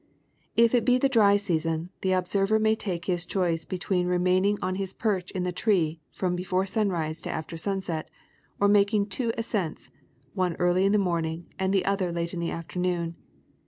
If it be the dry season, the observer may take his choice be tween remaining on his perch in the tree from before sunrise to after sunset, or making two ascents, one early in the morning and the other late in the afternoon.